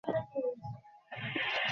যাইহোক, সময় বদলে গেছে।